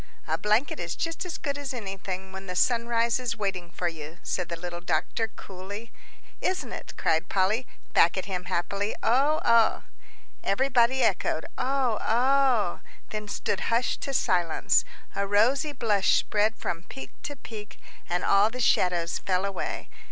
"A blanket is just as good as anything when the sunrise is waiting for you," said the little doctor, coolly. "Isn't it!" cried Polly, back at him, happily. "Oh oh!" Everybody echoed, "Oh oh!" then stood hushed to silence. A rosy blush spread from peak to peak, and all the shadows fell away.